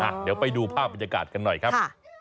เดี๋ยวไปดูภาพบรรยากาศกันหน่อยครับ